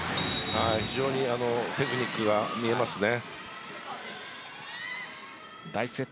非常にテクニックが見えますね。